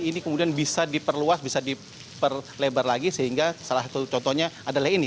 ini kemudian bisa diperluas bisa diperlebar lagi sehingga salah satu contohnya adalah ini